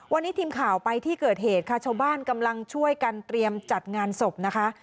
วันนี้ทีมข่าวไปที่เกิดเหตุค่ะชาวบ้านกำลังช่วยกันเตรียมจัดงานศพนะคะ